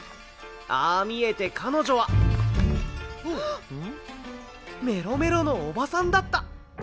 ああ見えて彼女はメロメロのオバさんだった。